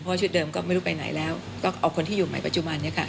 เพราะชุดเดิมก็ไม่รู้ไปไหนแล้วก็เอาคนที่อยู่ใหม่ปัจจุบันนี้ค่ะ